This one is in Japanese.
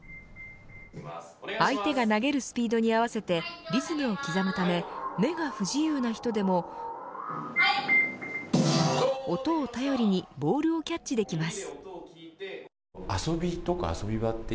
相手が投げるスピードに合わせてリズムを刻むため目が不自由な人でも音を頼りにボールをキャッチできます。